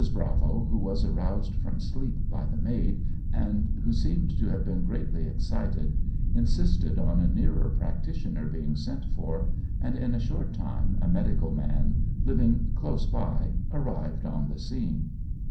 Bravo, who was aroused from sleep by the maid, and who seems to have been greatly excited, insisted on a nearer practitioner being sent for, and in a short time a medical man, living close by, arrived on the scene.